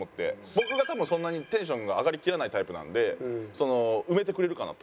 僕が多分そんなにテンションが上がりきらないタイプなので埋めてくれるかなと。